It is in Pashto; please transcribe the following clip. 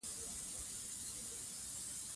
اقتصاد د دولت مالیې او بودیجه مطالعه کوي.